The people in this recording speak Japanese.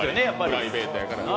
プライベートやからね。